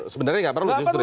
sebenarnya nggak perlu justru